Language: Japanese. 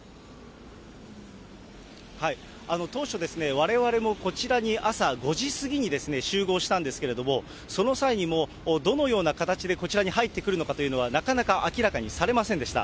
当初、われわれもこちらに朝５時過ぎに集合したんですけれども、その際にも、どのような形でこちらに入ってくるのかというのは、なかなか明らかにされませんでした。